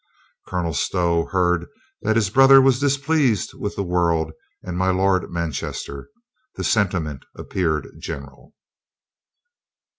Colonel Stow heard that his brother was displeased with the world and my Lord Manchester. The sentiment appeared general.